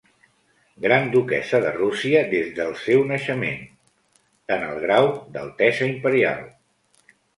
Gran duquessa de Rússia des del seu naixement en el grau d'altesa imperial.